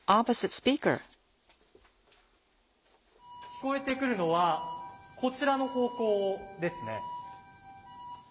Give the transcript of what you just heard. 聞こえてくるのはこちらの方向ですね。